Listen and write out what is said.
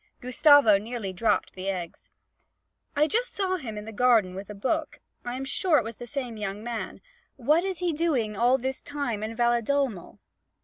Gustavo nearly dropped the eggs. 'I just saw him in the garden with a book I am sure it was the same young man. What is he doing all this time in Valedolmo?'